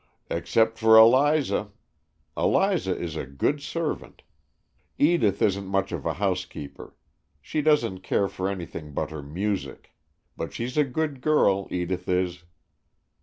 "Except for Eliza. Eliza is a good servant. Edith isn't much of a housekeeper. She doesn't care for anything but her music. But she's a good girl, Edith is."